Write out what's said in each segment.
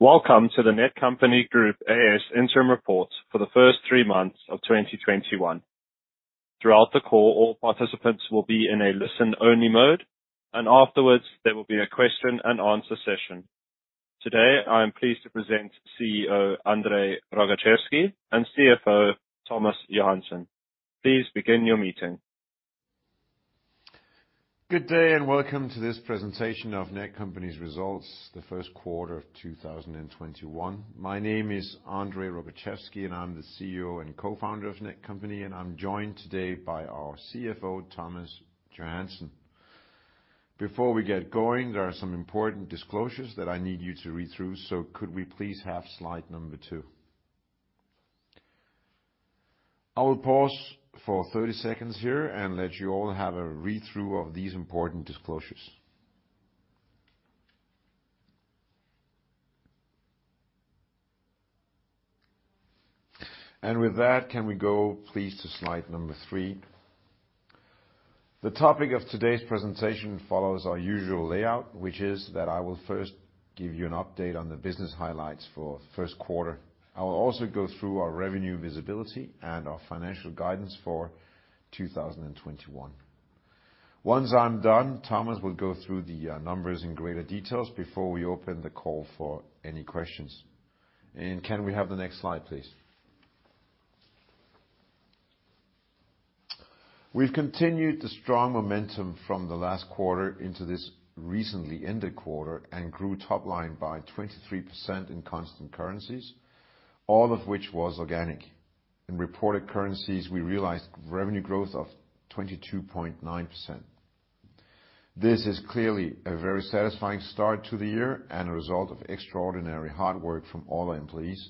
Welcome to the Netcompany Group A/S Interim Report for the first three months of 2021. Throughout the call, all participants will be in a listen-only mode, and afterwards there will be a question and answer session. Today, I am pleased to present CEO André Rogaczewski and CFO Thomas Johansen. Please begin your meeting. Good day and welcome to this presentation of Netcompany's results the Q1 2021. My name is André Rogaczewski, and I'm the CEO and Co-founder of Netcompany, and I'm joined today by our CFO, Thomas Johansen. Before we get going, there are some important disclosures that I need you to read through. Could we please have slide two? I will pause for 30 seconds here and let you all have a read-through of these important disclosures. With that, can we go please to slide three? The topic of today's presentation follows our usual layout, which is that I will first give you an update on the business highlights for Q1. I will also go through our revenue visibility and our financial guidance for 2021. Once I'm done, Thomas will go through the numbers in greater details before we open the call for any questions. Can we have the next slide, please? We've continued the strong momentum from the last quarter into this recently ended quarter and grew top line by 23% in constant currencies, all of which was organic. In reported currencies, we realized revenue growth of 22.9%. This is clearly a very satisfying start to the year and a result of extraordinary hard work from all our employees,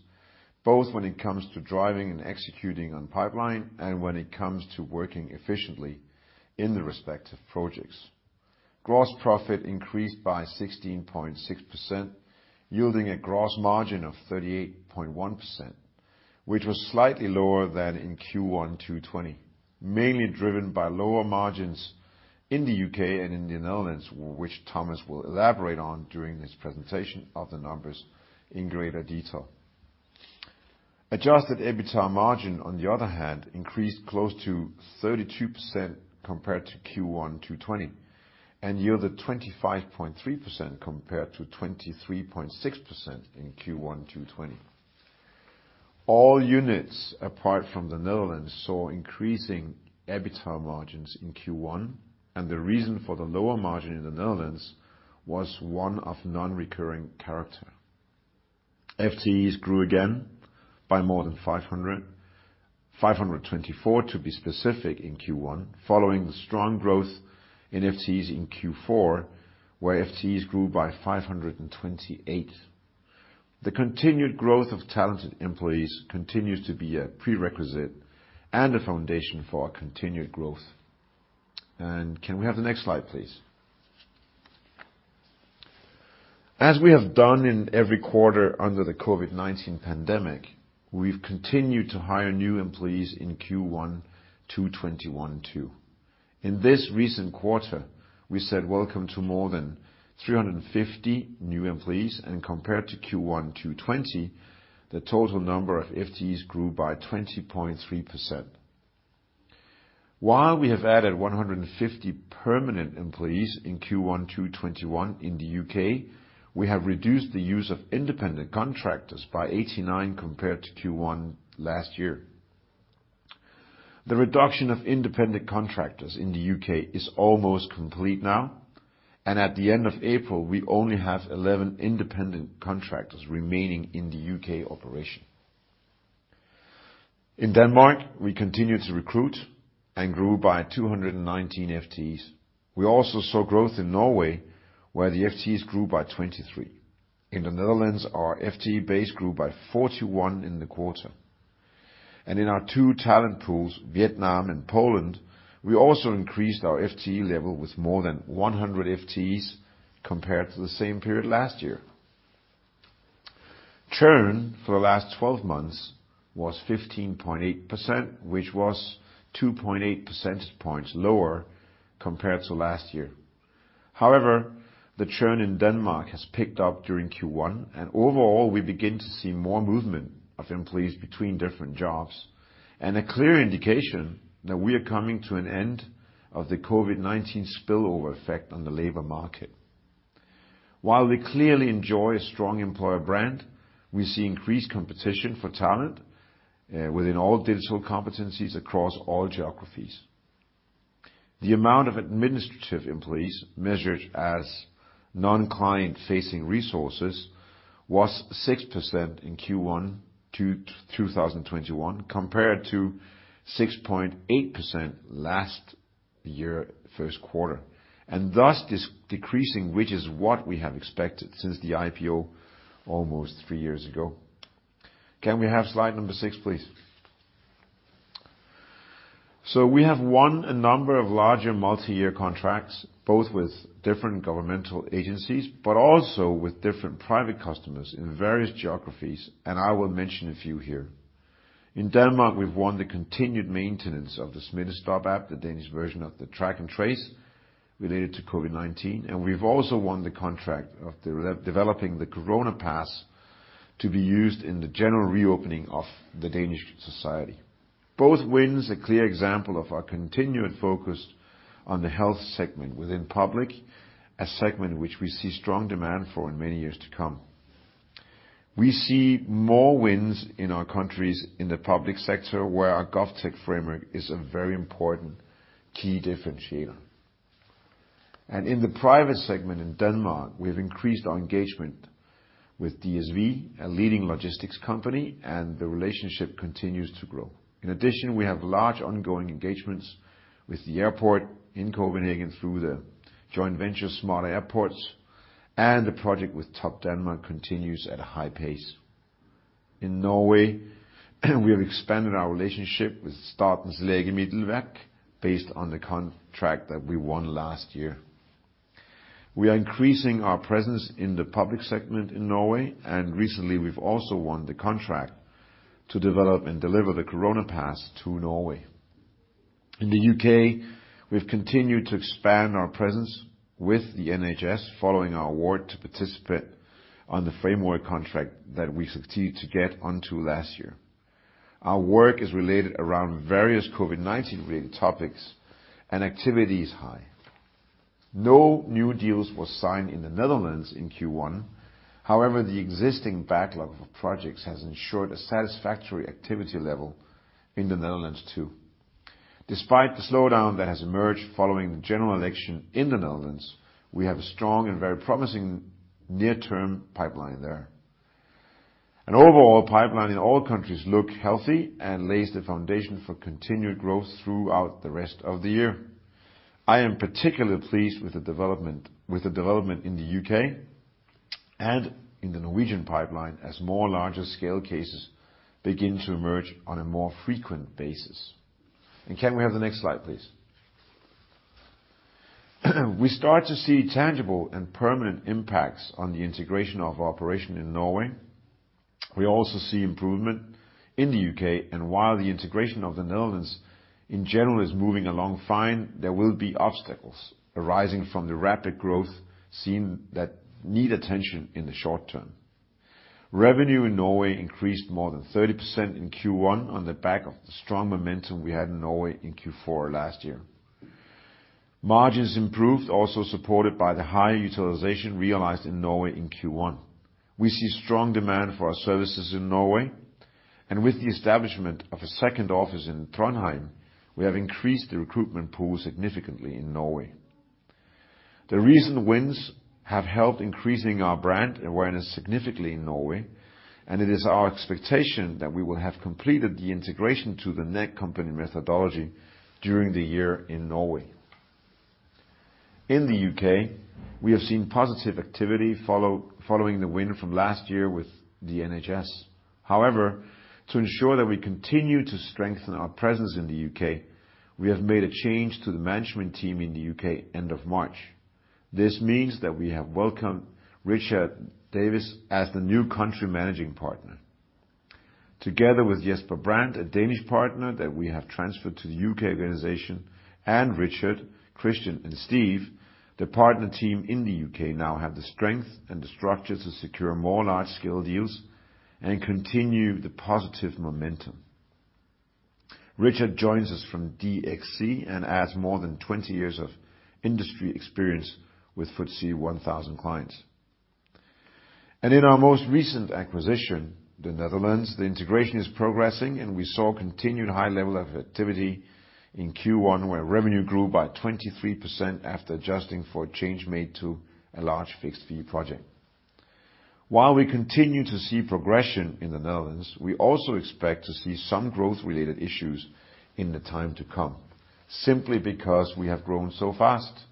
both when it comes to driving and executing on pipeline and when it comes to working efficiently in the respective projects. Gross profit increased by 16.6%, yielding a gross margin of 38.1%, which was slightly lower than in Q1 2020, mainly driven by lower margins in the U.K. and in the Netherlands, which Thomas will elaborate on during his presentation of the numbers in greater detail. Adjusted EBITA margin, on the other hand, increased close to 32% compared to Q1 2020 and yielded 25.3% compared to 23.6% in Q1 2020. All units apart from the Netherlands saw increasing EBITA margins in Q1, and the reason for the lower margin in the Netherlands was one of non-recurring character. FTEs grew again by more than 500, 524 to be specific in Q1, following the strong growth in FTEs in Q4, where FTEs grew by 528. The continued growth of talented employees continues to be a prerequisite and a foundation for our continued growth. Can we have the next slide, please? As we have done in every quarter under the COVID-19 pandemic, we've continued to hire new employees in Q1 2021 too. In this recent quarter, we said welcome to more than 350 new employees and compared to Q1 2020, the total number of FTEs grew by 20.3%. While we have added 150 permanent employees in Q1 2021 in the U.K., we have reduced the use of independent contractors by 89 compared to Q1 last year. The reduction of independent contractors in the U.K. is almost complete now, and at the end of April, we only have 11 independent contractors remaining in the U.K. operation. In Denmark, we continued to recruit and grew by 219 FTEs. We also saw growth in Norway, where the FTEs grew by 23. In the Netherlands, our FTE base grew by 41 in the quarter. In our two talent pools, Vietnam and Poland, we also increased our FTE level with more than 100 FTEs compared to the same period last year. Churn for the last 12 months was 15.8%, which was 2.8 percentage points lower compared to last year. However, the churn in Denmark has picked up during Q1, and overall, we begin to see more movement of employees between different jobs and a clear indication that we are coming to an end of the COVID-19 spillover effect on the labor market. While we clearly enjoy a strong employer brand, we see increased competition for talent within all digital competencies across all geographies. The amount of administrative employees measured as non-client-facing resources was 6% in Q1 2021, compared to 6.8% last year first quarter, and thus decreasing, which is what we have expected since the IPO almost three years ago. Can we have slide number six, please? We have won a number of larger multi-year contracts, both with different governmental agencies, but also with different private customers in various geographies, and I will mention a few here. In Denmark, we've won the continued maintenance of the Smittestop app, the Danish version of the track and trace related to COVID-19. We've also won the contract of developing the Coronapas to be used in the general reopening of the Danish society. Both wins a clear example of our continued focus on the health segment within public, a segment which we see strong demand for in many years to come. We see more wins in our countries in the public sector where our GovTech framework is a very important key differentiator. In the private segment in Denmark, we've increased our engagement with DSV, a leading logistics company, and the relationship continues to grow. In addition, we have large ongoing engagements with the airport in Copenhagen through the joint venture, Smarter Airports, and the project with Topdanmark continues at a high pace. In Norway, we have expanded our relationship with Statens legemiddelverk based on the contract that we won last year. We are increasing our presence in the public segment in Norway, and recently we've also won the contract to develop and deliver the Coronapas to Norway. In the U.K., we've continued to expand our presence with the NHS following our award to participate on the framework contract that we succeeded to get onto last year. Our work is related around various COVID-19 related topics and activity is high. No new deals were signed in the Netherlands in Q1. However, the existing backlog of projects has ensured a satisfactory activity level in the Netherlands too. Despite the slowdown that has emerged following the general election in the Netherlands, we have a strong and very promising near-term pipeline there. Overall pipeline in all countries look healthy and lays the foundation for continued growth throughout the rest of the year. I am particularly pleased with the development in the U.K. and in the Norwegian pipeline as more larger scale cases begin to emerge on a more frequent basis. Can we have the next slide, please? We start to see tangible and permanent impacts on the integration of operation in Norway. We also see improvement in the U.K., and while the integration of the Netherlands in general is moving along fine, there will be obstacles arising from the rapid growth seen that need attention in the short term. Revenue in Norway increased more than 30% in Q1 on the back of the strong momentum we had in Norway in Q4 last year. Margins improved, also supported by the higher utilization realized in Norway in Q1. We see strong demand for our services in Norway, and with the establishment of a second office in Trondheim, we have increased the recruitment pool significantly in Norway. The recent wins have helped increasing our brand awareness significantly in Norway, and it is our expectation that we will have completed the integration to the Netcompany methodology during the year in Norway. In the U.K., we have seen positive activity following the win from last year with the NHS. However, to ensure that we continue to strengthen our presence in the U.K., we have made a change to the management team in the U.K. end of March. This means that we have welcomed Richard Davies as the new Country Managing Partner. Together with Jesper Brandt, a Danish partner that we have transferred to the U.K. organization, and Richard, Christian, and Steve, the partner team in the U.K. now have the strength and the structure to secure more large-scale deals and continue the positive momentum. Richard joins us from DXC and adds more than 20 years of industry experience with FTSE 1000 clients. In our most recent acquisition, the Netherlands, the integration is progressing, and we saw continued high level of activity in Q1, where revenue grew by 23% after adjusting for a change made to a large fixed-fee project. While we continue to see progression in the Netherlands, we also expect to see some growth-related issues in the time to come, simply because we have grown so fast.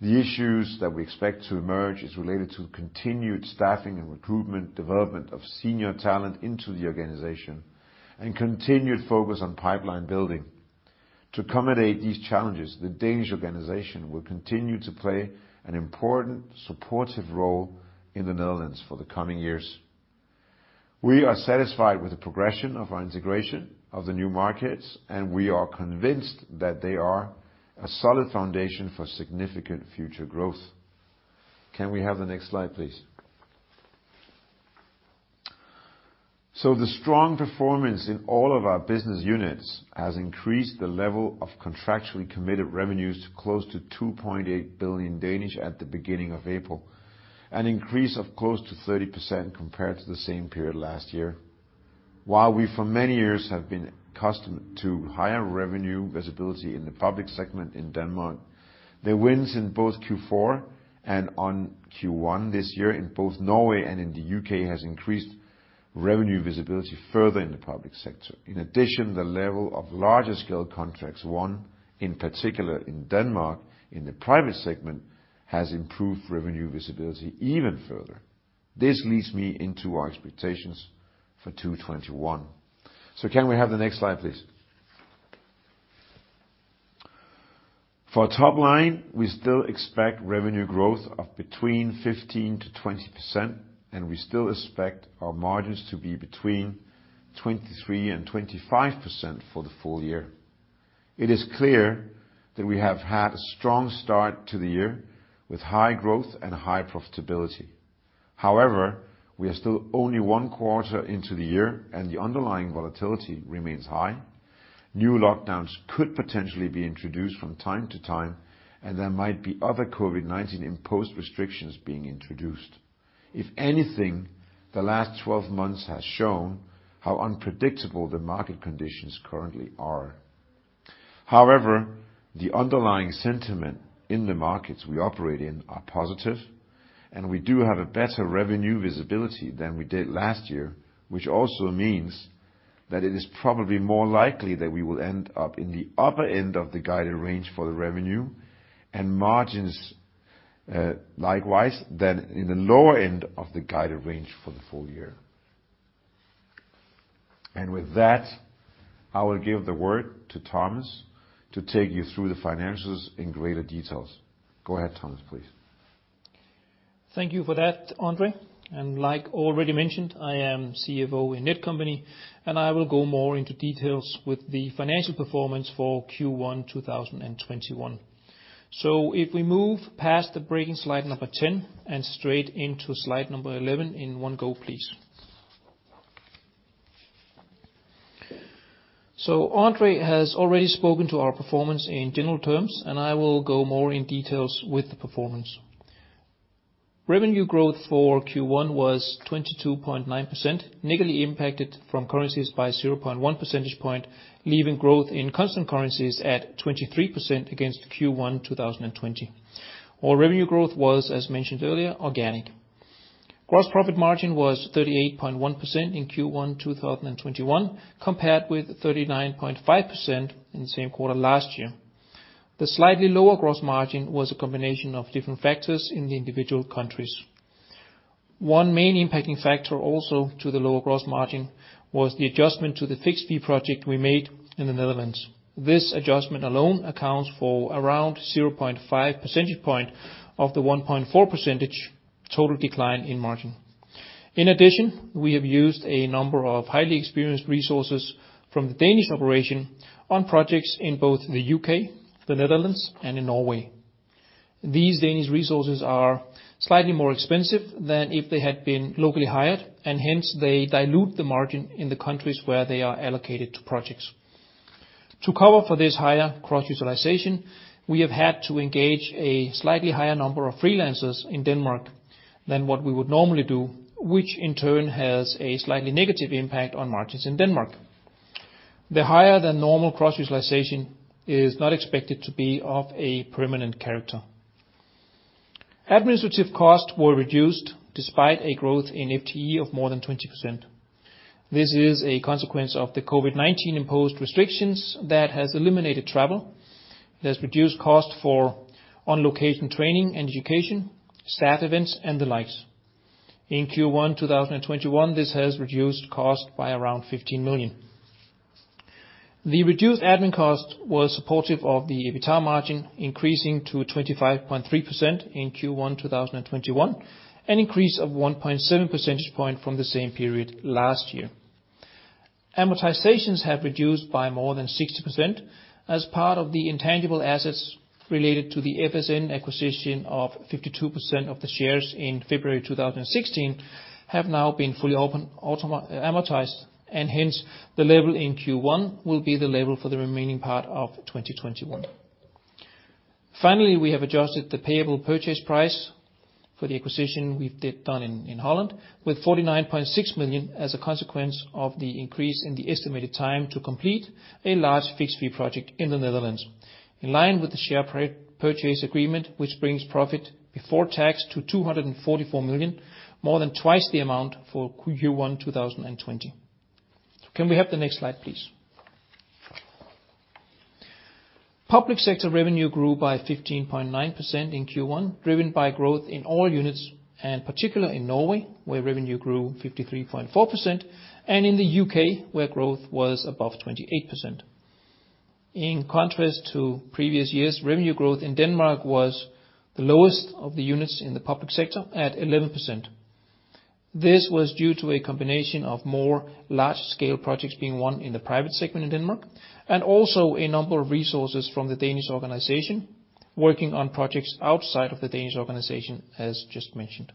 The issues that we expect to emerge is related to continued staffing and recruitment, development of senior talent into the organization, and continued focus on pipeline building. To accommodate these challenges, Netcompany Denmark will continue to play an important supportive role in Netcompany Netherlands for the coming years. We are satisfied with the progression of our integration of the new markets, and we are convinced that they are a solid foundation for significant future growth. Can we have the next slide, please? The strong performance in all of our business units has increased the level of contractually committed revenues to close to 2.8 billion at the beginning of April, an increase of close to 30% compared to the same period last year. While we for many years have been accustomed to higher revenue visibility in the public segment in Denmark, the wins in both Q4 and on Q1 this year in both Norway and in the U.K. has increased revenue visibility further in the public sector. The level of larger scale contracts won, in particular in Denmark in the private segment, has improved revenue visibility even further. This leads me into our expectations for 2021. Can we have the next slide, please? For top line, we still expect revenue growth of between 15%-20%, and we still expect our margins to be between 23% and 25% for the full year. It is clear that we have had a strong start to the year, with high growth and high profitability. We are still only one quarter into the year, and the underlying volatility remains high. New lockdowns could potentially be introduced from time to time, and there might be other COVID-19 imposed restrictions being introduced. If anything, the last 12 months has shown how unpredictable the market conditions currently are. However, the underlying sentiment in the markets we operate in are positive, and we do have a better revenue visibility than we did last year, which also means that it is probably more likely that we will end up in the upper end of the guided range for the revenue and margins likewise than in the lower end of the guided range for the full year. With that, I will give the word to Thomas to take you through the financials in greater details. Go ahead, Thomas, please. Thank you for that, André. Like already mentioned, I am CFO in Netcompany, and I will go more into details with the financial performance for Q1 2021. If we move past the breaking slide number 10 and straight into slide number 11 in one go, please. André has already spoken to our performance in general terms, and I will go more in details with the performance. Revenue growth for Q1 was 22.9%, negatively impacted from currencies by 0.1 percentage point, leaving growth in constant currencies at 23% against Q1 2020. All revenue growth was, as mentioned earlier, organic. Gross profit margin was 38.1% in Q1 2021, compared with 39.5% in the same quarter last year. The slightly lower gross margin was a combination of different factors in the individual countries. One main impacting factor also to the lower gross margin was the adjustment to the fixed fee project we made in the Netherlands. This adjustment alone accounts for around 0.5 percentage point of the 1.4 percentage total decline in margin. In addition, we have used a number of highly experienced resources from the Danish operation on projects in both the U.K., the Netherlands and in Norway. These Danish resources are slightly more expensive than if they had been locally hired, and hence they dilute the margin in the countries where they are allocated to projects. To cover for this higher cross-utilization, we have had to engage a slightly higher number of freelancers in Denmark than what we would normally do, which in turn has a slightly negative impact on margins in Denmark. The higher than normal cross-utilization is not expected to be of a permanent character. Administrative costs were reduced despite a growth in FTEs of more than 20%. This is a consequence of the COVID-19 imposed restrictions that has eliminated travel, has reduced cost for on-location training and education, staff events and the likes. In Q1 2021, this has reduced cost by around 15 million. The reduced admin cost was supportive of the EBITA margin, increasing to 25.3% in Q1 2021, an increase of 1.7 percentage point from the same period last year. Amortizations have reduced by more than 60% as part of the intangible assets related to the FSN acquisition of 52% of the shares in February 2016 have now been fully amortized, and hence, the level in Q1 will be the level for the remaining part of 2021. Finally, we have adjusted the payable purchase price for the acquisition we've done in the Netherlands with 49.6 million as a consequence of the increase in the estimated time to complete a large fixed fee project in the Netherlands. In line with the share purchase agreement, which brings profit before tax to 244 million, more than twice the amount for Q1 2020. Can we have the next slide, please? Public sector revenue grew by 15.9% in Q1, driven by growth in all units and particularly in Norway, where revenue grew 53.4%, and in the U.K., where growth was above 28%. In contrast to previous years, revenue growth in Denmark was the lowest of the units in the public sector at 11%. This was due to a combination of more large-scale projects being won in the private segment in Denmark, and also a number of resources from the Danish organization working on projects outside of the Danish organization, as just mentioned.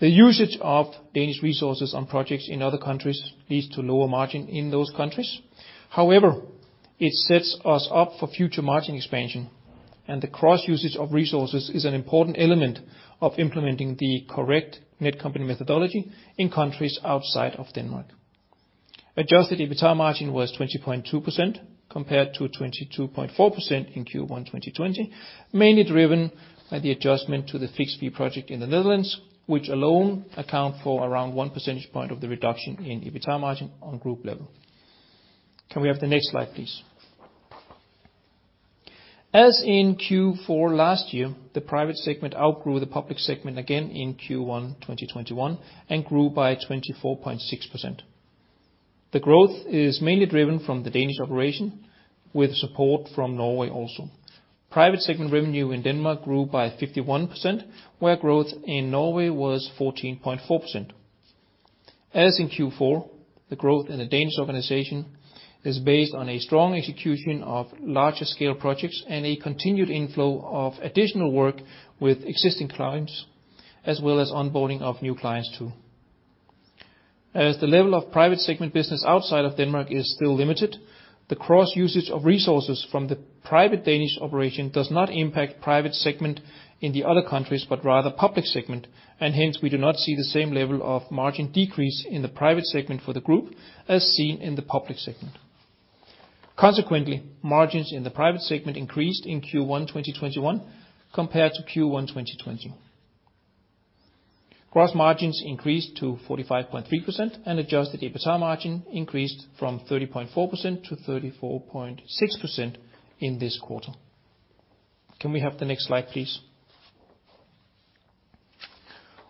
The usage of Danish resources on projects in other countries leads to lower margin in those countries. However, it sets us up for future margin expansion, and the cross-usage of resources is an important element of implementing the correct Netcompany methodology in countries outside of Denmark. Adjusted EBITA margin was 20.2% compared to 22.4% in Q1 2020, mainly driven by the adjustment to the fixed fee project in the Netherlands, which alone account for around one percentage point of the reduction in EBITA margin on group level. Can we have the next slide, please? As in Q4 last year, the private segment outgrew the public segment again in Q1 2021 and grew by 24.6%. The growth is mainly driven from the Danish operation with support from Norway also. Private segment revenue in Denmark grew by 51%, where growth in Norway was 14.4%. As in Q4, the growth in the Danish organization is based on a strong execution of larger scale projects and a continued inflow of additional work with existing clients, as well as onboarding of new clients too. As the level of private segment business outside of Denmark is still limited, the cross-usage of resources from the private Danish operation does not impact private segment in the other countries, but rather public segment. Hence, we do not see the same level of margin decrease in the private segment for the group as seen in the public segment. Margins in the private segment increased in Q1 2021 compared to Q1 2020. Gross margins increased to 45.3%, and adjusted EBITDA margin increased from 30.4% to 34.6% in this quarter. Can we have the next slide, please.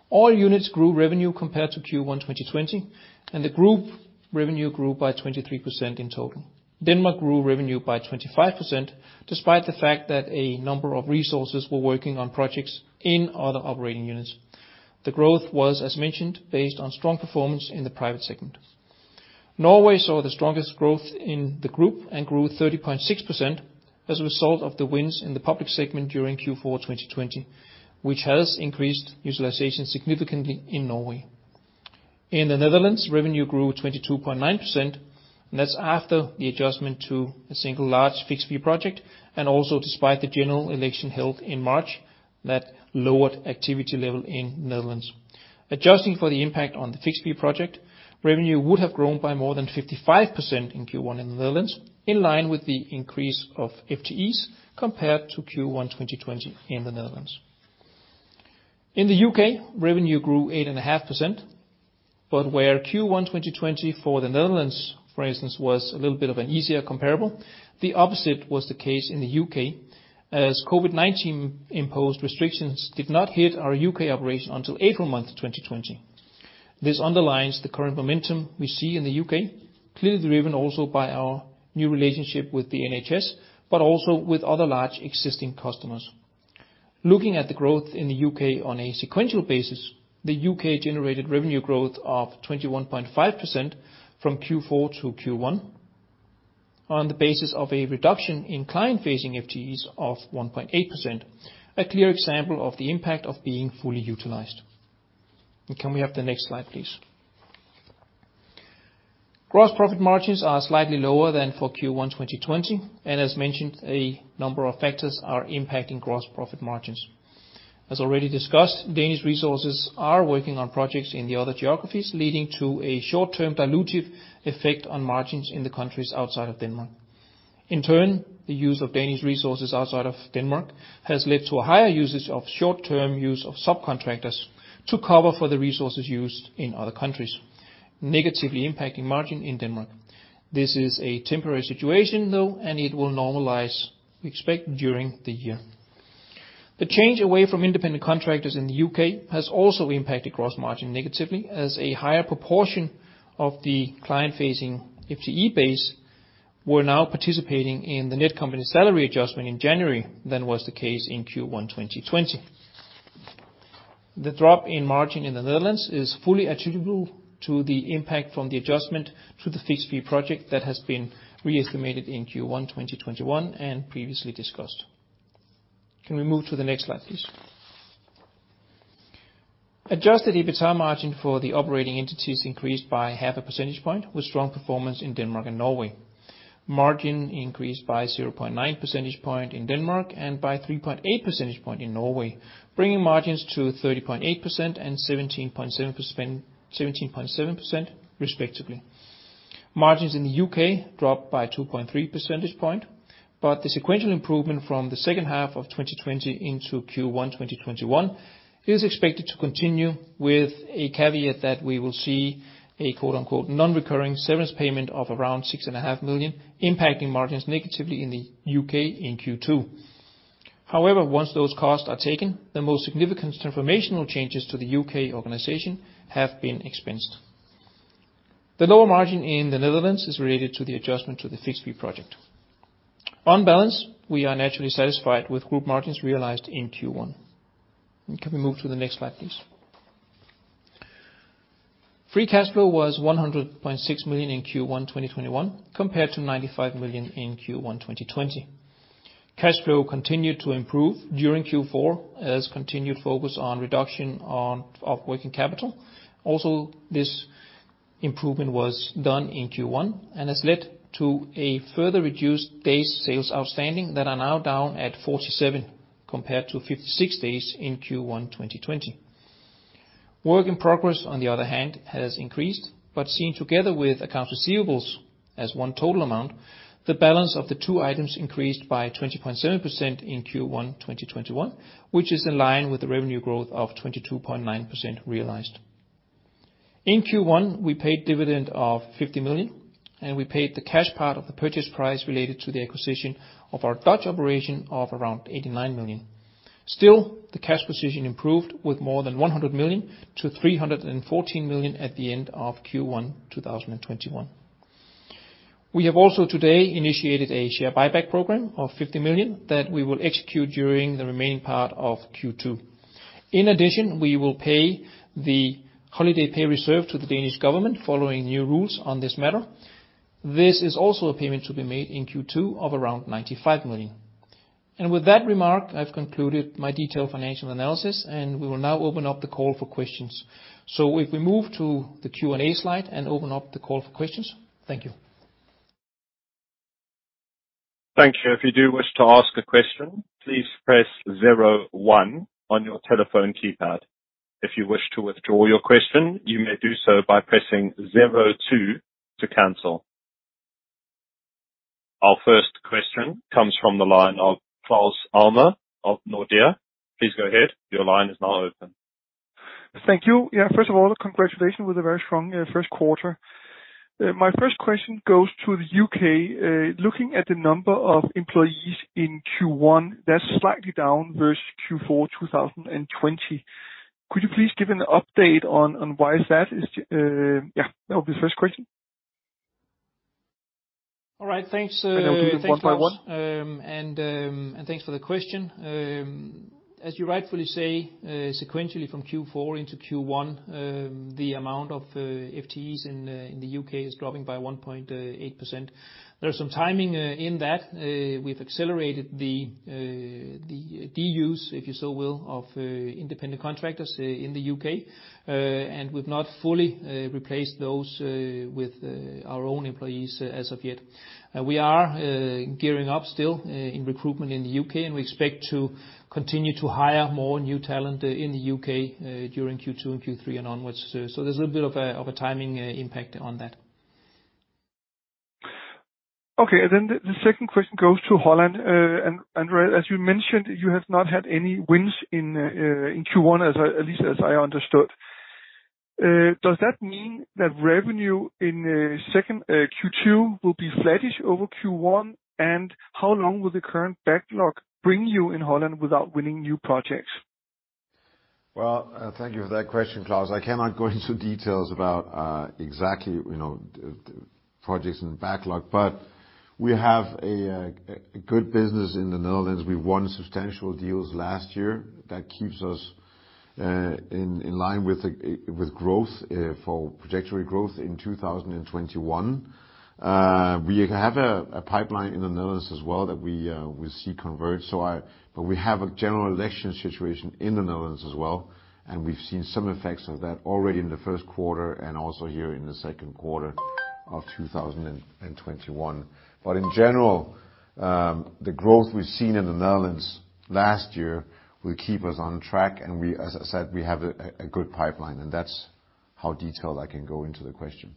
All units grew revenue compared to Q1 2020, and the group revenue grew by 23% in total. Denmark grew revenue by 25%, despite the fact that a number of resources were working on projects in other operating units. The growth was, as mentioned, based on strong performance in the private segment. Norway saw the strongest growth in the group and grew 30.6% as a result of the wins in the public segment during Q4 2020, which has increased utilization significantly in Norway. In the Netherlands, revenue grew 22.9%, and that's after the adjustment to a single large fixed-fee project and also despite the general election held in March that lowered activity level in Netherlands. Adjusting for the impact on the fixed-fee project, revenue would have grown by more than 55% in Q1 in the Netherlands, in line with the increase of FTEs compared to Q1 2020 in the Netherlands. In the U.K., revenue grew 8.5%, but where Q1 2020 for the Netherlands, for instance, was a little bit of an easier comparable, the opposite was the case in the U.K., as COVID-19 imposed restrictions did not hit our U.K. operation until April month 2020. This underlines the current momentum we see in the U.K., clearly driven also by our new relationship with the NHS, but also with other large existing customers. Looking at the growth in the U.K. on a sequential basis, the U.K. generated revenue growth of 21.5% from Q4 to Q1 on the basis of a reduction in client-facing FTEs of 1.8%, a clear example of the impact of being fully utilized. Can we have the next slide, please? Gross profit margins are slightly lower than for Q1 2020. As mentioned, a number of factors are impacting gross profit margins. As already discussed, Danish resources are working on projects in the other geographies, leading to a short-term dilutive effect on margins in the countries outside of Denmark. In turn, the use of Danish resources outside of Denmark has led to a higher usage of short-term use of subcontractors to cover for the resources used in other countries, negatively impacting margin in Denmark. This is a temporary situation, though. It will normalize, we expect, during the year. The change away from independent contractors in the U.K. has also impacted gross margin negatively as a higher proportion of the client-facing FTE base were now participating in the Netcompany salary adjustment in January than was the case in Q1 2020. The drop in margin in the Netherlands is fully attributable to the impact from the adjustment to the fixed-fee project that has been re-estimated in Q1 2021 and previously discussed. Can we move to the next slide, please? Adjusted EBITDA margin for the operating entities increased by 0.5 percentage point with strong performance in Denmark and Norway. Margin increased by 0.9 percentage point in Denmark and by 3.8 percentage point in Norway, bringing margins to 30.8% and 17.7% respectively. Margins in the U.K. dropped by 2.3 percentage point, but the sequential improvement from the second half of 2020 into Q1 2021 is expected to continue with a caveat that we will see a quote unquote "non-recurring severance payment of around 6.5 Million," impacting margins negatively in the U.K. in Q2. Once those costs are taken, the most significant transformational changes to the U.K. organization have been expensed. The lower margin in the Netherlands is related to the adjustment to the fixed-fee project. On balance, we are naturally satisfied with group margins realized in Q1. Can we move to the next slide, please? Free cash flow was 100.6 million in Q1 2021 compared to 95 million in Q1 2020. Cash flow continued to improve during Q4 as continued focus on reduction of working capital. This improvement was done in Q1 and has led to a further reduced days' sales outstanding that are now down at 47 compared to 56 days in Q1 2020. Work in progress, on the other hand, has increased, but seen together with accounts receivables as one total amount, the balance of the two items increased by 20.7% in Q1 2021, which is in line with the revenue growth of 22.9% realized. In Q1, we paid dividend of 50 million. We paid the cash part of the purchase price related to the acquisition of our Dutch operation of around 89 million. The cash position improved with more than 100 million to 314 million at the end of Q1 2021. We have also today initiated a share buyback program of 50 million that we will execute during the remaining part of Q2. We will pay the holiday pay reserve to the Danish government following new rules on this matter. This is also a payment to be made in Q2 of around 95 million. With that remark, I've concluded my detailed financial analysis, and we will now open up the call for questions. If we move to the Q&A slide and open up the call for questions. Thank you. Thank you. If you do wish to ask a question, please press zero one on your telephone keypad. If you wish to withdraw your question, you may do so by pressing zero two to cancel. Our first question comes from the line of Claus Almer of Nordea. Please go ahead. Your line is now open. Thank you. Yeah, first of all, congratulations with a very strong first quarter. My first question goes to the U.K. Looking at the number of employees in Q1, that's slightly down versus Q4 2020. Could you please give an update on why is that? Yeah, that would be the first question. All right. Thanks. That would be one for one. Thanks, Claus. Thanks for the question. As you rightfully say, sequentially from Q4 into Q1, the amount of FTEs in the U.K. is dropping by 1.8%. There are some timing in that. We've accelerated the DUs, if you so will, of independent contractors in the U.K. We've not fully replaced those with our own employees as of yet. We are gearing up still in recruitment in the U.K., and we expect to continue to hire more new talent in the U.K. during Q2 and Q3 and onwards. There's a little bit of a timing impact on that. Okay, the second question goes to Holland. André, as you mentioned, you have not had any wins in Q1, at least as I understood. Does that mean that revenue in Q2 will be flattish over Q1? How long will the current backlog bring you in Holland without winning new projects? Well, thank you for that question, Claus. I cannot go into details about exactly projects in the backlog, but we have a good business in the Netherlands. We won substantial deals last year that keeps us in line with growth for trajectory growth in 2021. We have a pipeline in the Netherlands as well that we will see convert. We have a general election situation in the Netherlands as well, and we've seen some effects of that already in the first quarter and also here in the second quarter of 2021. In general, the growth we've seen in the Netherlands last year will keep us on track. We, as I said, we have a good pipeline and that's how detailed I can go into the question.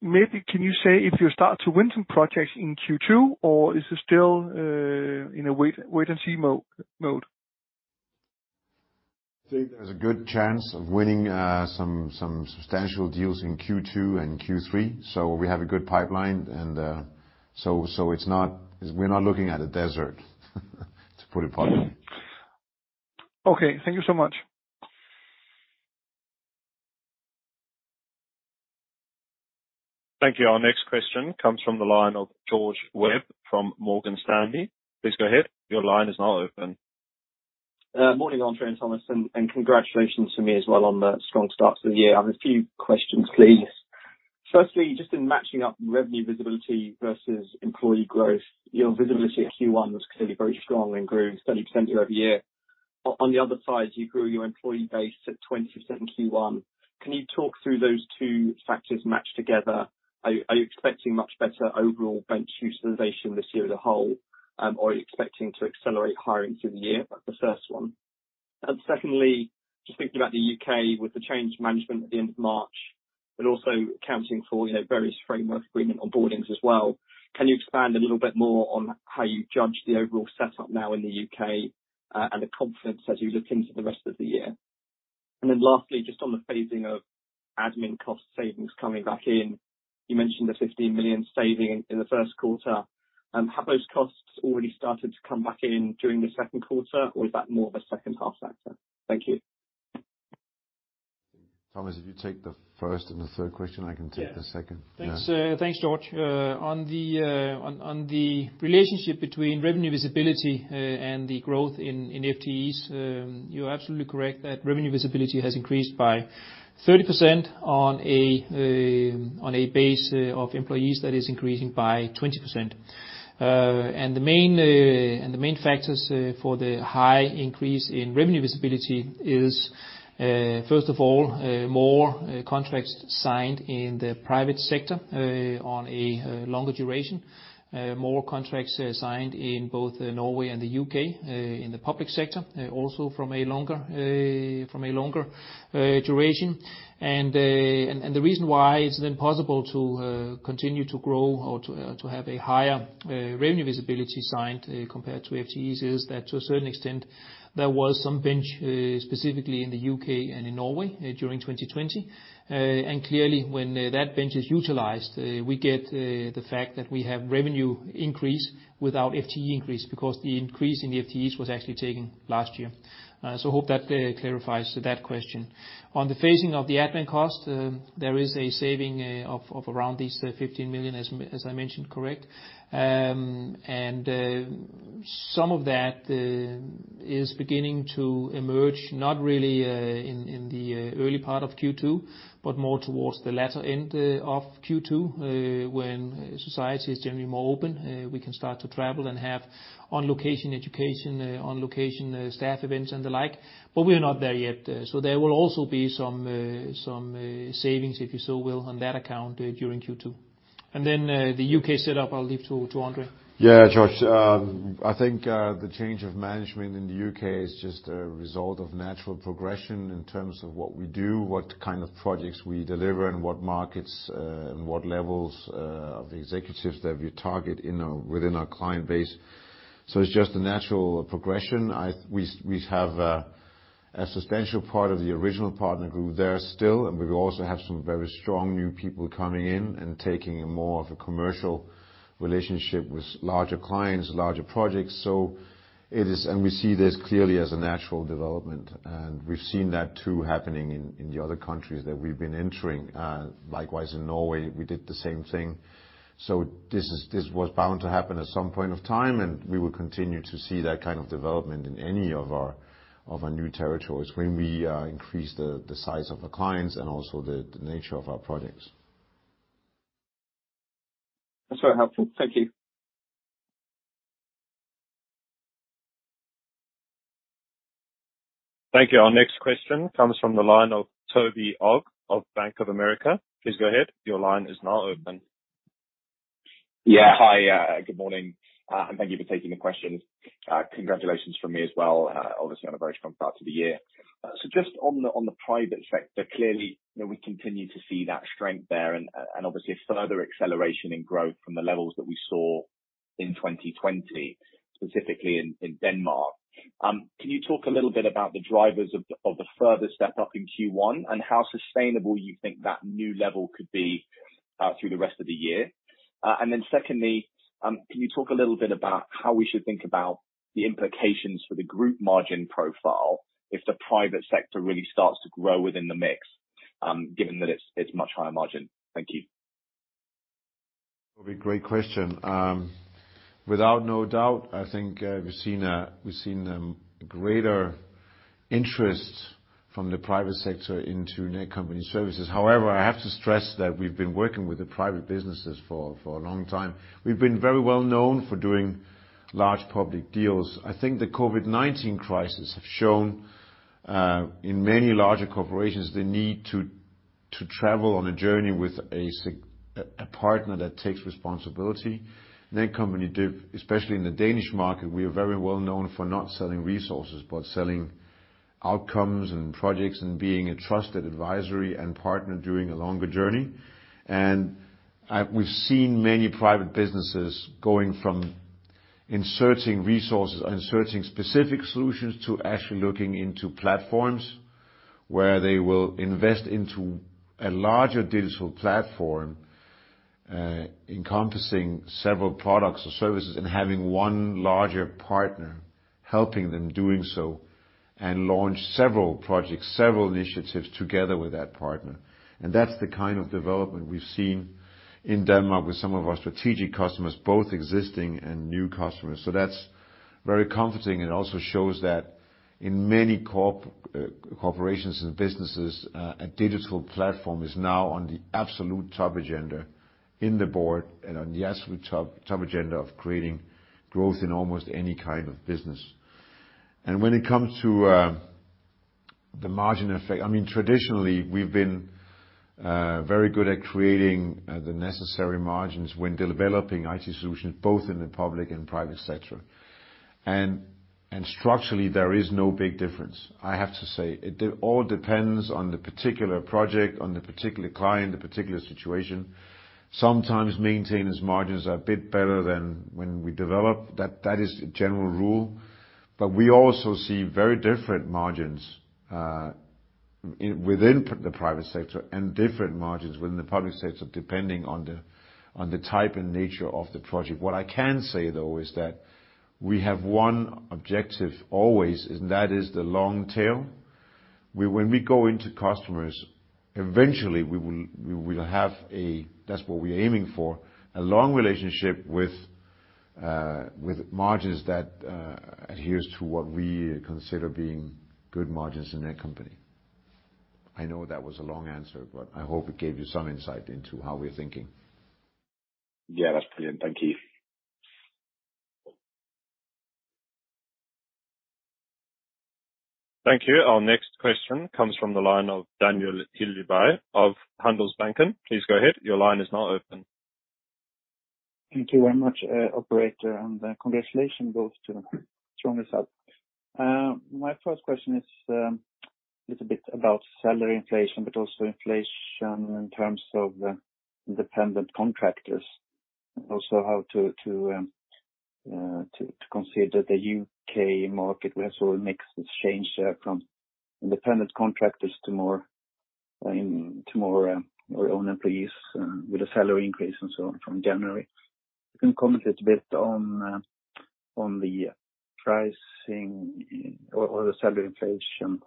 Maybe can you say if you start to win some projects in Q2 or is it still in a wait and see mode? There's a good chance of winning some substantial deals in Q2 and Q3. We have a good pipeline, we're not looking at a desert, to put it politely. Okay. Thank you so much. Thank you. Our next question comes from the line of George Webb from Morgan Stanley. Please go ahead. Morning, André and Thomas. Congratulations to me as well on the strong start to the year. I have a few questions, please. Firstly, just in matching up revenue visibility versus employee growth, your visibility at Q1 was clearly very strong and grew 30% year-over-year. You grew your employee base to 20% in Q1. Can you talk through those two factors matched together? Are you expecting much better overall bench utilization this year as a whole? Are you expecting to accelerate hiring through the year? That's the first one. Secondly, just thinking about the U.K. with the change of management at the end of March, but also accounting for various framework agreement onboardings as well, can you expand a little bit more on how you judge the overall setup now in the U.K. and the confidence as you look into the rest of the year? Lastly, just on the phasing of admin cost savings coming back in. You mentioned the 15 million saving in the first quarter. Have those costs already started to come back in during the second quarter? Or is that more of a second half factor? Thank you. Thomas, if you take the first and the third question, I can take the second. Thanks George. On the relationship between revenue visibility and the growth in FTEs, you're absolutely correct that revenue visibility has increased by 30% on a base of employees that is increasing by 20%. The main factors for the high increase in revenue visibility is. First of all, more contracts signed in the private sector on a longer duration. More contracts signed in both Norway and the U.K. in the public sector, also from a longer duration. The reason why it's then possible to continue to grow or to have a higher revenue visibility signed compared to FTEs is that, to a certain extent, there was some bench, specifically in the U.K. and in Norway during 2020. Clearly, when that bench is utilized, we get the fact that we have revenue increase without FTE increase, because the increase in the FTEs was actually taken last year. Hope that clarifies that question. On the phasing of the admin cost, there is a saving of around these 15 million, as I mentioned. Correct. Some of that is beginning to emerge, not really in the early part of Q2, but more towards the latter end of Q2, when society is generally more open. We can start to travel and have on-location education, on-location staff events and the like, but we are not there yet. There will also be some savings, if you so will, on that account during Q2. Then the U.K. set up, I'll leave to André. George. I think the change of management in the U.K. is just a result of natural progression in terms of what we do, what kind of projects we deliver, and what markets and what levels of executives that we target within our client base. It's just a natural progression. We have a substantial part of the original partner group there still, and we also have some very strong new people coming in and taking more of a commercial relationship with larger clients, larger projects. We see this clearly as a natural development, and we've seen that too happening in the other countries that we've been entering. Likewise, in Norway, we did the same thing. This was bound to happen at some point of time, and we will continue to see that kind of development in any of our new territories when we increase the size of the clients and also the nature of our projects. That's very helpful. Thank you. Thank you. Our next question comes from the line of Toby Ogg of Bank of America. Please go ahead. Your line is now open. Yeah. Hi. Good morning. Thank you for taking the questions. Congratulations from me as well, obviously, on a very strong start to the year. Just on the private sector, clearly, we continue to see that strength there and obviously a further acceleration in growth from the levels that we saw in 2020, specifically in Denmark. Can you talk a little bit about the drivers of the further step-up in Q1, and how sustainable you think that new level could be through the rest of the year? Then secondly, can you talk a little bit about how we should think about the implications for the group margin profile if the private sector really starts to grow within the mix, given that it's much higher margin? Thank you. Toby, great question. Without no doubt, I think we've seen greater interest from the private sector into Netcompany services. However, I have to stress that we've been working with the private businesses for a long time. We've been very well known for doing large public deals. I think the COVID-19 crisis have shown in many larger corporations the need to travel on a journey with a partner that takes responsibility. Netcompany do, especially in the Danish market, we are very well known for not selling resources, but selling outcomes and projects and being a trusted advisory and partner during a longer journey. We've seen many private businesses going from inserting resources and inserting specific solutions to actually looking into platforms where they will invest into a larger digital platform encompassing several products or services, having one larger partner helping them doing so, and launch several projects, several initiatives together with that partner. That's the kind of development we've seen in Denmark with some of our strategic customers, both existing and new customers. That's very comforting, and also shows that in many corporations and businesses, a digital platform is now on the absolute top agenda in the board and on the absolute top agenda of creating growth in almost any kind of business. When it comes to the margin effect, traditionally, we've been very good at creating the necessary margins when developing IT solutions, both in the public and private sector. Structurally, there is no big difference, I have to say. It all depends on the particular project, on the particular client, the particular situation. Sometimes maintenance margins are a bit better than when we develop. That is a general rule. We also see very different margins within the private sector and different margins within the public sector, depending on the type and nature of the project. What I can say, though, is that we have one objective always, and that is the long tail. When we go into customers, eventually we will have a, that's what we're aiming for, a long relationship with margins that adheres to what we consider being good margins in Netcompany. I know that was a long answer, but I hope it gave you some insight into how we're thinking. Yeah, that's brilliant. Thank you. Thank you. Our next question comes from the line of Daniel Djurberg of Handelsbanken. Please go ahead. Your line is now open. Thank you very much, operator, and congratulations both to the strong result. My first question is a little bit about salary inflation, but also inflation in terms of the independent contractors, and also how to consider the U.K. market. We have seen a mixed exchange there from independent contractors to more our own employees with a salary increase and so on from January. You can comment a bit on the pricing or the salary inflation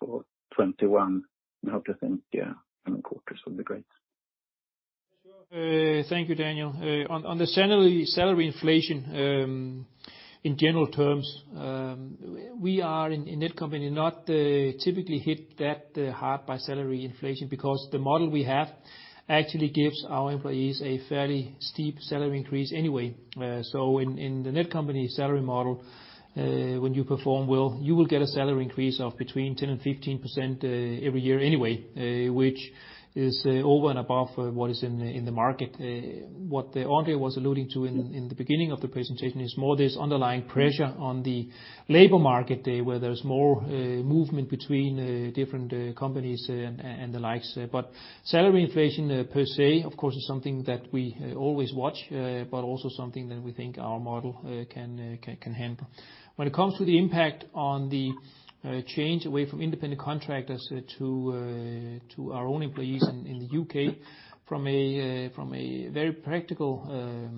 for 2021 and how to think coming quarters will be great. Sure. Thank you, Daniel. On the salary inflation, in general terms, we are in Netcompany not typically hit that hard by salary inflation because the model we have actually gives our employees a fairly steep salary increase anyway. In the Netcompany salary model, when you perform well, you will get a salary increase of between 10% and 15% every year anyway, which is over and above what is in the market. What André was alluding to in the beginning of the presentation is more this underlying pressure on the labor market, where there's more movement between different companies and the likes. Salary inflation per se, of course, is something that we always watch, but also something that we think our model can handle. When it comes to the impact on the change away from independent contractors to our own employees in the U.K., from a very practical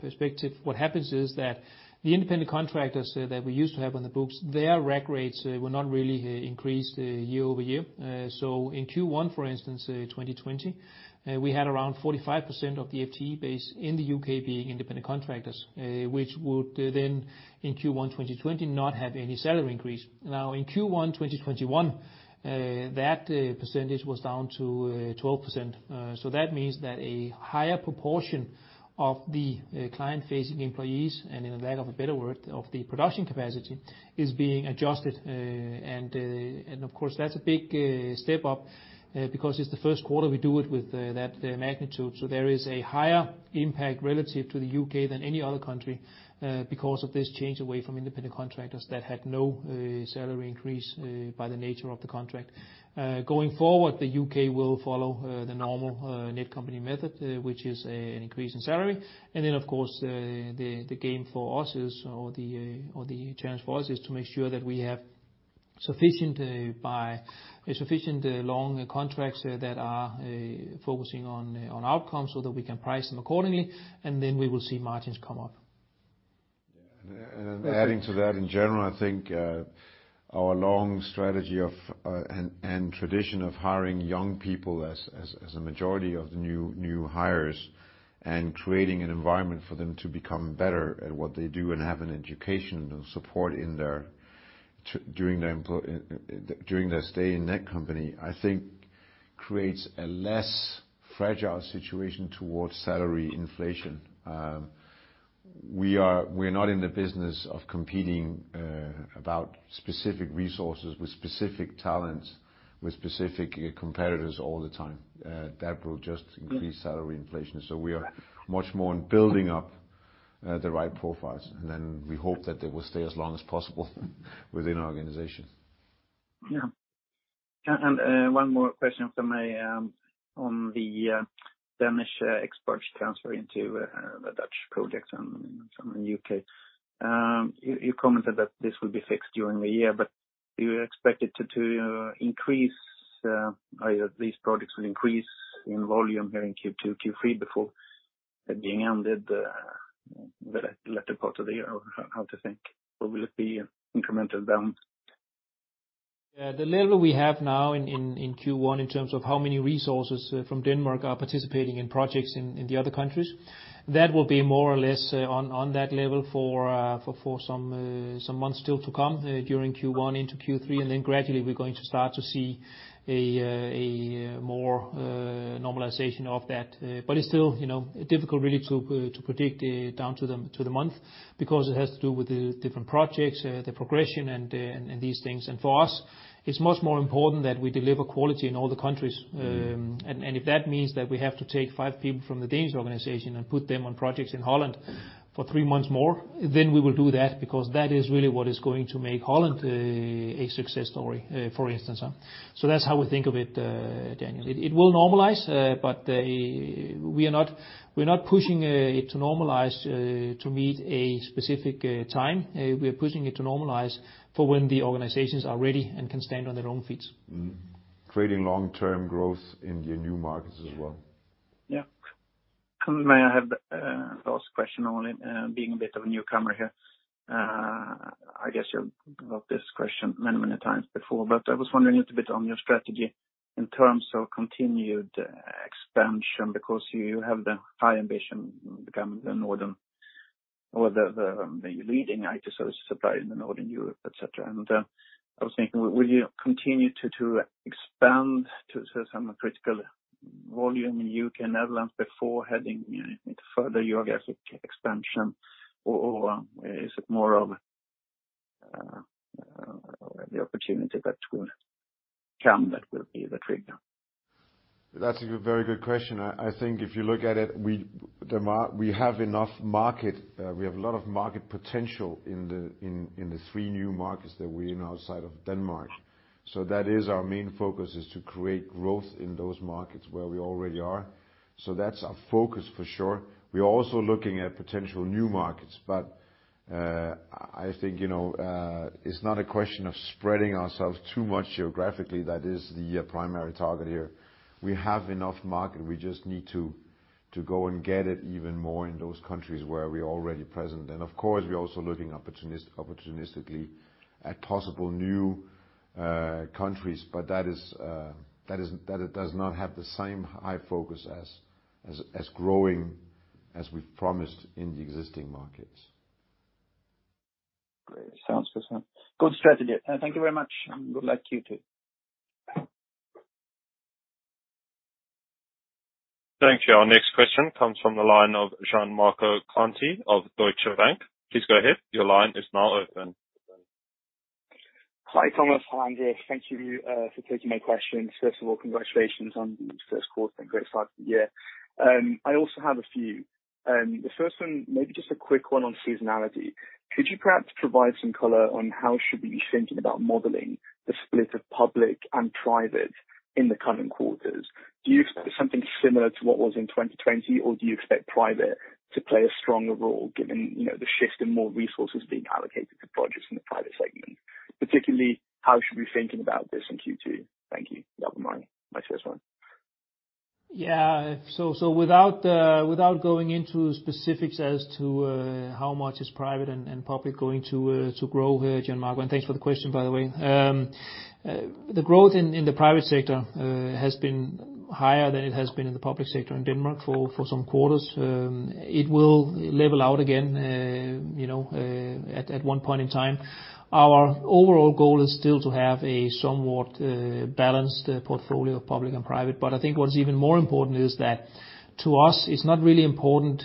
perspective, what happens is that the independent contractors that we used to have on the books, their rack rates were not really increased year-over-year. In Q1, for instance, 2020, we had around 45% of the FTE base in the U.K. being independent contractors, which would then, in Q1 2020, not have any salary increase. In Q1 2021, that percentage was down to 12%. That means that a higher proportion of the client-facing employees, and in the lack of a better word, of the production capacity, is being adjusted. Of course, that's a big step up because it's the first quarter we do it with that magnitude. There is a higher impact relative to the U.K. than any other country because of this change away from independent contractors that had no salary increase by the nature of the contract. Going forward, the U.K. will follow the normal Netcompany method, which is an increase in salary. Of course, the game for us is, or the challenge for us is to make sure that we have sufficient long contracts that are focusing on outcomes so that we can price them accordingly, and then we will see margins come up. Adding to that, in general, I think our long strategy and tradition of hiring young people as a majority of the new hires and creating an environment for them to become better at what they do and have an education and support during their stay in Netcompany, I think creates a less fragile situation towards salary inflation. We're not in the business of competing about specific resources with specific talents, with specific competitors all the time. That will just increase salary inflation. We are much more on building up the right profiles, and then we hope that they will stay as long as possible within our organization. Yeah. One more question from me on the Danish experts transferring to the Dutch projects and some in the U.K. You commented that this will be fixed during the year, do you expect these projects will increase in volume during Q2, Q3 before being ended the latter part of the year? How to think, or will it be incremental down? The level we have now in Q1 in terms of how many resources from Denmark are participating in projects in the other countries, that will be more or less on that level for some months still to come during Q1 into Q3, and then gradually we're going to start to see a more normalization of that. It's still difficult really to predict down to the month because it has to do with the different projects, the progression, and these things. For us, it's much more important that we deliver quality in all the countries. If that means that we have to take five people from the Danish organization and put them on projects in Holland for three months more, then we will do that because that is really what is going to make Holland a success story, for instance. That's how we think of it, Daniel. It will normalize, but we're not pushing it to normalize to meet a specific time. We're pushing it to normalize for when the organizations are ready and can stand on their own feet. Creating long-term growth in the new markets as well. Yeah. May I have the last question only, being a bit of a newcomer here? I guess you've got this question many times before, but I was wondering a little bit on your strategy in terms of continued expansion, because you have the high ambition to become the leading IT service supplier in Northern Europe, et cetera. I was thinking, will you continue to expand to some critical volume in U.K. and Netherlands before heading into further geographic expansion? Is it more of the opportunity that will come that will be the trigger? That's a very good question. I think if you look at it, we have a lot of market potential in the three new markets that we're in outside of Denmark. That is our main focus, is to create growth in those markets where we already are. That's our focus for sure. We're also looking at potential new markets, but I think, it's not a question of spreading ourselves too much geographically. That is the primary target here. We have enough market. We just need to go and get it even more in those countries where we're already present. Of course, we're also looking opportunistically at possible new countries, but that it does not have the same high focus as growing, as we've promised in the existing markets. Great. Sounds good, sir. Good strategy. Thank you very much, and good luck to you, too. Thank you. Our next question comes from the line of Gianmarco Conti of Deutsche Bank. Please go ahead. Hi, Thomas. Hi, André. Thank you for taking my question. First of all, congratulations on the first quarter and great start to the year. I also have a few. The first one, maybe just a quick one on seasonality. Could you perhaps provide some color on how should we be thinking about modeling the split of public and private in the coming quarters? Do you expect something similar to what was in 2020, or do you expect private to play a stronger role given the shift in more resources being allocated to projects in the private segment? Particularly, how should we be thinking about this in Q2? Thank you. That'll be my first one. Without going into specifics as to how much is private and public going to grow here, Gianmarco, and thanks for the question, by the way. The growth in the private sector has been higher than it has been in the public sector in Denmark for some quarters. It will level out again at one point in time. Our overall goal is still to have a somewhat balanced portfolio of public and private. I think what's even more important is that to us, it's not really important,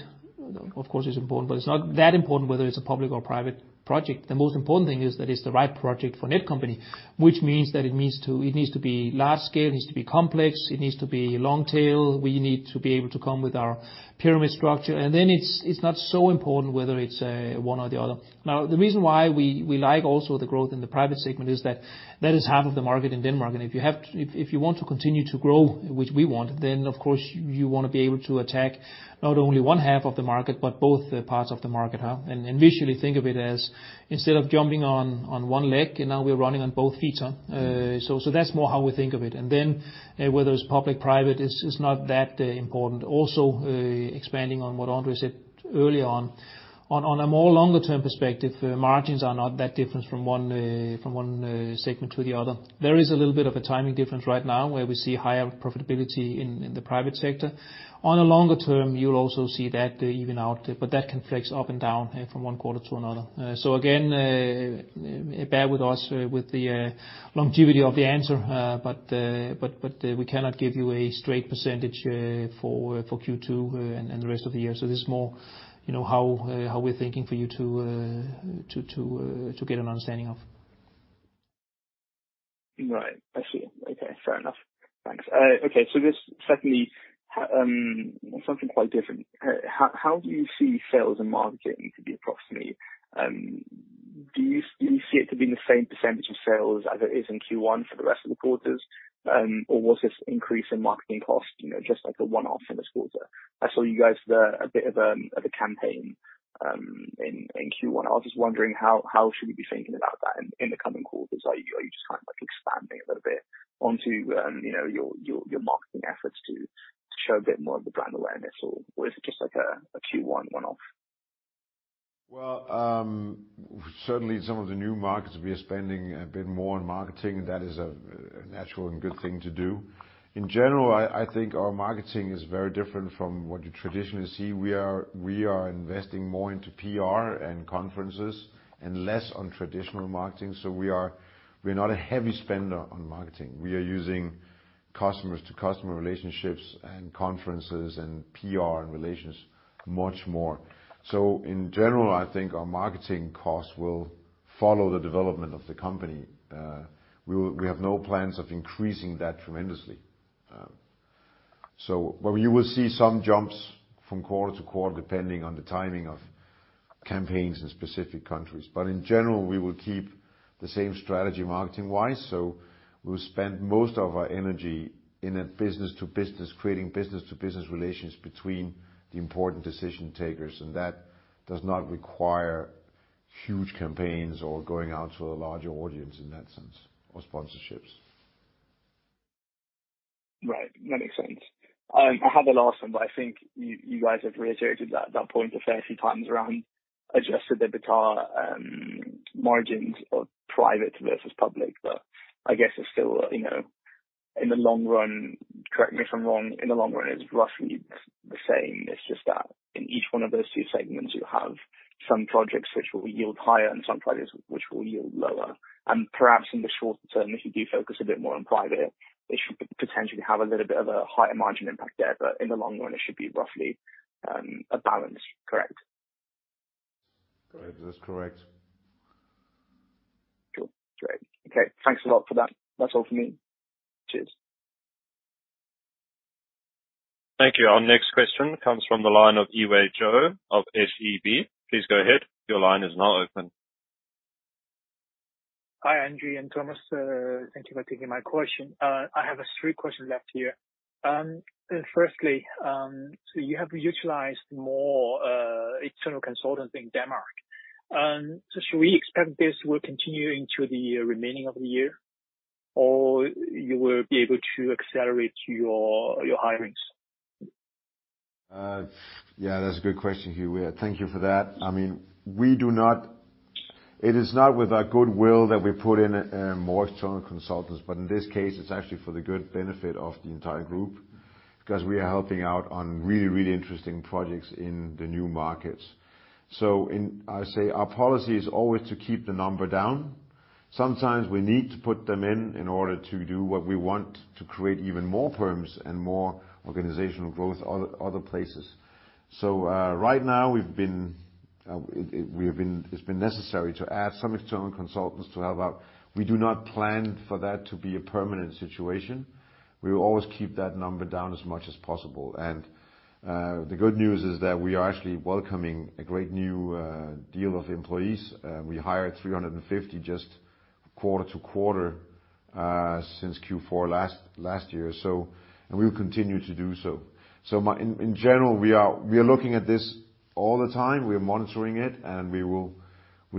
of course, it's important, but it's not that important whether it's a public or private project. The most important thing is that it's the right project for Netcompany, which means that it needs to be large scale, it needs to be complex, it needs to be long tail. We need to be able to come with our pyramid structure. Then it's not so important whether it's one or the other. Now, the reason why we like also the growth in the private segment is that is half of the market in Denmark. If you want to continue to grow, which we want, then of course you want to be able to attack not only one half of the market, but both parts of the market. Visually think of it as, instead of jumping on one leg, and now we're running on both feet. That's more how we think of it. Then, whether it's public, private, it's not that important. Also, expanding on what André said earlier on a more longer term perspective, margins are not that different from one segment to the other. There is a little bit of a timing difference right now where we see higher profitability in the private sector. On a longer term, you'll also see that even out, but that can flex up and down from one quarter to another. Again, bear with us with the longevity of the answer, but we cannot give you a straight percentage for Q2 and the rest of the year. This is more how we're thinking for you to get an understanding of. Right. I see. Okay. Fair enough. Thanks. This secondly, something quite different. How do you see sales and marketing to be approximately? Do you see it to be the same percentage of sales as it is in Q1 for the rest of the quarters? Was this increase in marketing costs just like a one-off in this quarter? I saw you guys did a bit of a campaign in Q1. I was just wondering how should we be thinking about that in the coming quarters? Are you just kind of expanding a little bit onto your marketing efforts to show a bit more of the brand awareness, or is it just like a Q1 one-off? Well, certainly some of the new markets, we are spending a bit more on marketing. That is a natural and good thing to do. In general, I think our marketing is very different from what you traditionally see. We are investing more into PR and conferences and less on traditional marketing. We're not a heavy spender on marketing. We are using customer-to-customer relationships and conferences and PR and relations much more. In general, I think our marketing costs will follow the development of the company. We have no plans of increasing that tremendously. Well, you will see some jumps from quarter to quarter depending on the timing of campaigns in specific countries. In general, we will keep the same strategy marketing-wise. We'll spend most of our energy in a business-to-business, creating business-to-business relations between the important decision-takers, and that does not require huge campaigns or going out to a larger audience in that sense, or sponsorships. Right. That makes sense. I have a last one, but I think you guys have reiterated that point a fair few times around adjusted EBITDA margins of private versus public. I guess it's still, in the long run, correct me if I'm wrong, in the long run, it's roughly the same, it's just that in each one of those two segments, you have some projects which will yield higher and some projects which will yield lower. Perhaps in the short term, if you do focus a bit more on private, it should potentially have a little bit of a higher margin impact there. In the long run, it should be roughly a balance. Correct? Correct. That's correct. Cool. Great. Okay, thanks a lot for that. That's all for me. Cheers. Thank you. Our next question comes from the line of Yiwei Zhou of SEB. Please go ahead. Your line is now open. Hi, André and Thomas. Thank you for taking my question. I have three questions up here. Firstly, you have utilized more external consultants in Denmark. Should we expect this will continue into the remaining of the year, or you will be able to accelerate your hirings? Yeah, that's a good question, Yiwei. Thank you for that. It is not with our goodwill that we put in more external consultants. In this case, it's actually for the good benefit of the entire group, because we are helping out on really, really interesting projects in the new markets. I say our policy is always to keep the number down. Sometimes we need to put them in order to do what we want to create even more firms and more organizational growth other places. Right now it's been necessary to add some external consultants to help out. We do not plan for that to be a permanent situation. We will always keep that number down as much as possible. The good news is that we are actually welcoming a great new deal of employees. We hired 350 just quarter to quarter, since Q4 last year, and we will continue to do so. In general, we are looking at this all the time. We are monitoring it, and we will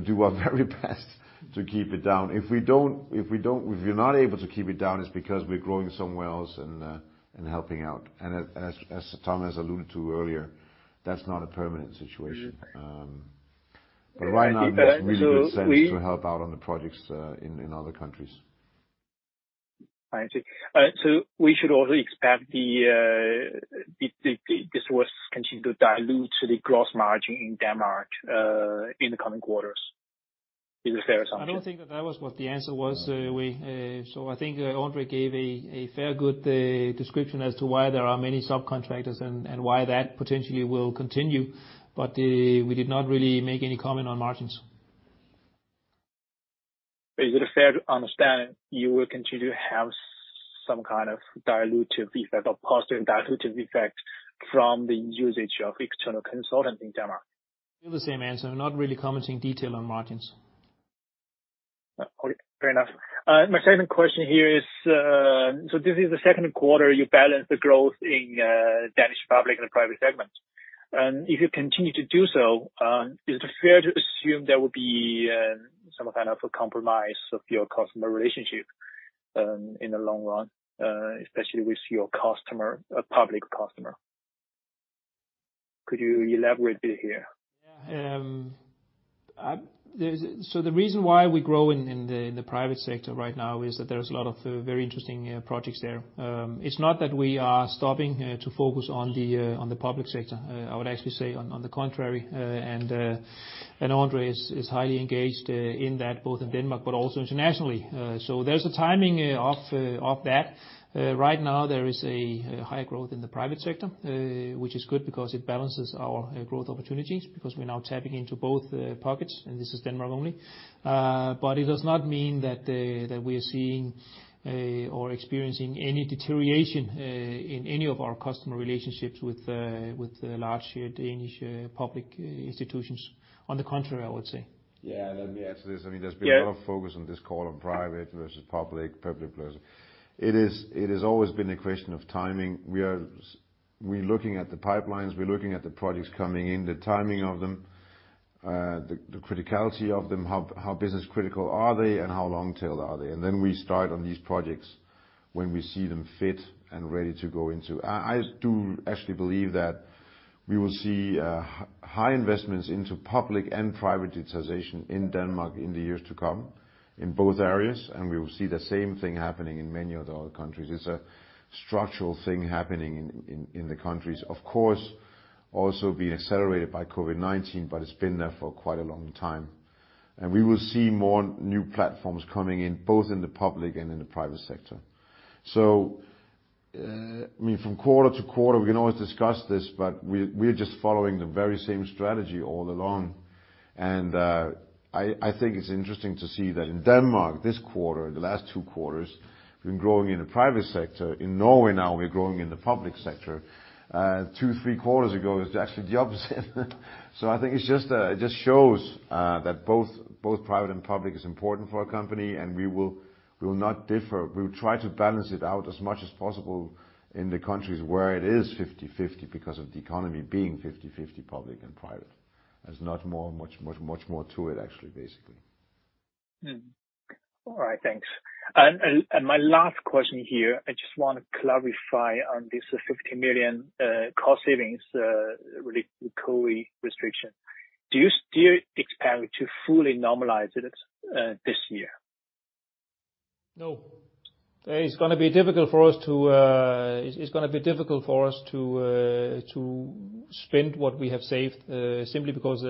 do our very best to keep it down. If we're not able to keep it down, it's because we're growing somewhere else and helping out. As Thomas alluded to earlier, that's not a permanent situation. Right now it makes really good sense to help out on the projects in other countries. I see. We should also expect this will continue to dilute the gross margin in Denmark, in the coming quarters? Is it a fair assumption? I don't think that that was what the answer was, Yiwei. I think André gave a fair good description as to why there are many subcontractors and why that potentially will continue. We did not really make any comment on margins. Is it fair to understand you will continue to have some kind of positive dilutive effect from the usage of external consultant in Denmark? Give the same answer. Not really commenting detail on margins. Okay, fair enough. My second question here is, this is the second quarter you balanced the growth in Danish public and private segment. If you continue to do so, is it fair to assume there will be some kind of a compromise of your customer relationship, in the long run, especially with your public customer? Could you elaborate a bit here? The reason why we grow in the private sector right now is that there's a lot of very interesting projects there. It's not that we are stopping to focus on the public sector. I would actually say on the contrary, André is highly engaged in that, both in Denmark but also internationally. There's a timing of that. Right now, there is a higher growth in the private sector, which is good because it balances our growth opportunities because we're now tapping into both pockets, and this is Denmark only. It does not mean that we are seeing or experiencing any deterioration in any of our customer relationships with the large Danish public institutions. On the contrary, I would say. Yeah, let me add to this. Yeah. There's been a lot of focus on this call on private versus public-private. It has always been a question of timing. We're looking at the pipelines. We're looking at the projects coming in, the timing of them, the criticality of them, how business critical are they, and how long tail are they? Then we start on these projects when we see them fit and ready to go into. I do actually believe that we will see high investments into public and private digitization in Denmark in the years to come, in both areas. We will see the same thing happening in many of the other countries. It's a structural thing happening in the countries. Of course, also being accelerated by COVID-19, but it's been there for quite a long time. We will see more new platforms coming in, both in the public and in the private sector. From quarter to quarter, we can always discuss this, but we're just following the very same strategy all along. I think it's interesting to see that in Denmark this quarter, the last two quarters, we've been growing in the private sector. In Norway now, we're growing in the public sector. Two, three quarters ago, it was actually the opposite. I think it just shows that both private and public is important for our company, and we will not differ. We will try to balance it out as much as possible in the countries where it is 50/50 because of the economy being 50/50 public and private. There's much more to it, actually, basically. All right. Thanks. My last question here, I just want to clarify on this 50 million cost savings related to COVID restriction. Do you still expect to fully normalize it this year? No. It's going to be difficult for us to spend what we have saved, simply because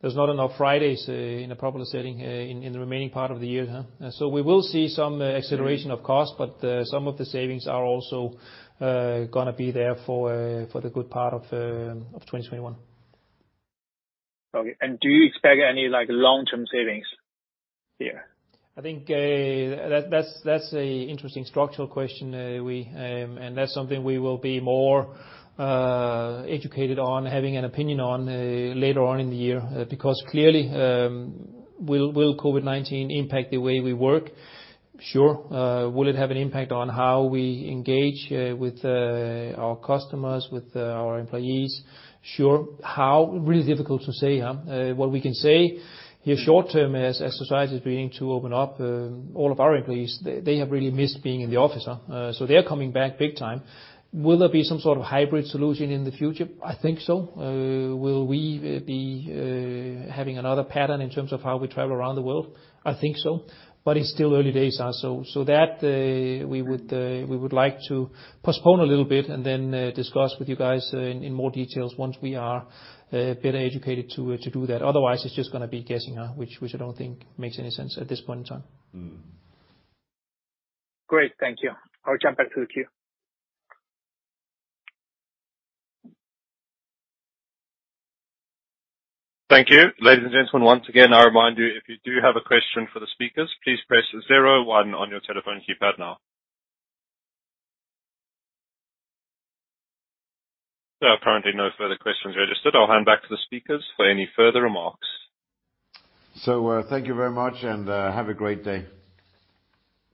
there's not enough Fridays in a proper setting in the remaining part of the year. We will see some acceleration of cost, but some of the savings are also going to be there for the good part of 2021. Okay. Do you expect any long-term savings here? I think that's a interesting structural question, and that's something we will be more educated on, having an opinion on later on in the year. Will COVID-19 impact the way we work? Sure. Will it have an impact on how we engage with our customers, with our employees? Sure. How? Really difficult to say. What we can say in short term, as society is beginning to open up, all of our employees, they have really missed being in the office. They're coming back big time. Will there be some sort of hybrid solution in the future? I think so. Will we be having another pattern in terms of how we travel around the world? I think so, but it's still early days. That, we would like to postpone a little bit and then discuss with you guys in more details once we are better educated to do that. Otherwise, it's just going to be guessing, which I don't think makes any sense at this point in time. Great. Thank you. I'll jump back to the queue. Thank you. Ladies and gentlemen, once again, I remind you, if you do have a question for the speakers, please press zero one on your telephone keypad now. There are currently no further questions registered. I'll hand back to the speakers for any further remarks. Thank you very much, and have a great day.